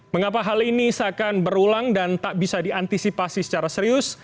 mengapa hal ini seakan berulang dan tak bisa diantisipasi secara serius